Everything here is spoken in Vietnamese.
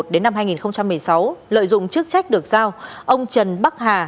đến năm hai nghìn một mươi sáu lợi dụng chức trách được giao ông trần bắc hà